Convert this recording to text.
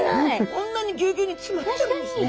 こんなにぎゅうぎゅうに詰まってるんですね。